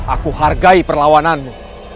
aku hargai perlawananmu